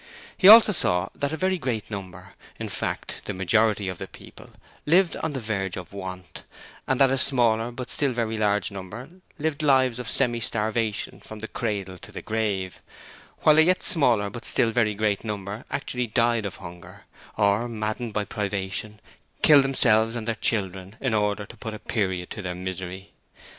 He saw also that a very great number in fact the majority of the people lived on the verge of want; and that a smaller but still very large number lived lives of semi starvation from the cradle to the grave; while a yet smaller but still very great number actually died of hunger, or, maddened by privation, killed themselves and their children in order to put a period to their misery.